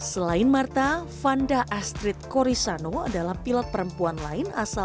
selain marta fanda astrid corisano adalah pilot perempuan terbesar